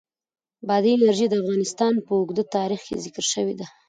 بادي انرژي د افغانستان په اوږده تاریخ کې ذکر شوې ده.